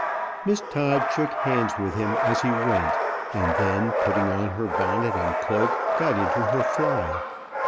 Miss Todd shook hands with him as he went, and then, putting on her bonnet and cloak, got into her fly.